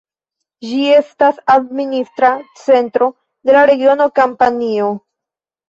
Ĝi estas administra centro de la regiono Kampanio.